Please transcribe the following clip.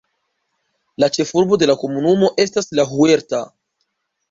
La ĉefurbo de la komunumo estas La Huerta.